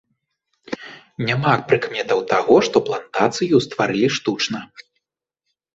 Няма прыкметаў таго, што плантацыю стварылі штучна.